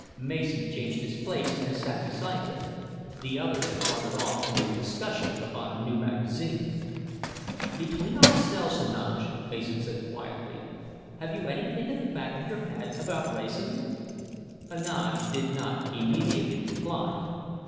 Mason changed his place and sat beside him. The others had wandered off into a discussion upon a new magazine. "Between ourselves, Heneage," Mason said quietly, "have you anything at the back of your head about Wrayson?" Heneage did not immediately reply.